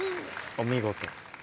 お見事。